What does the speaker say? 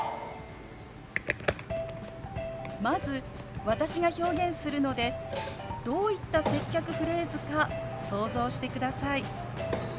まず私が表現するのでどういった接客フレーズか想像してください。